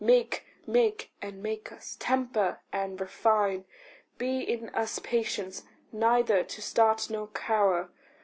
Make, make, and make us; temper, and refine. Be in us patience neither to start nor cower.